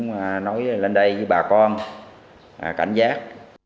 bắt được cũng nói lên đây với bà con cảnh giác